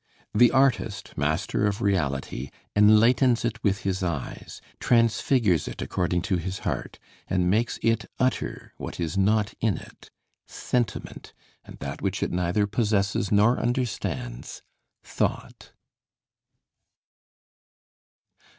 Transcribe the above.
The artist, master of reality, enlightens it with his eyes, transfigures it according to his heart, and makes it utter what is not in it sentiment; and that which it neither possesses nor understands thought.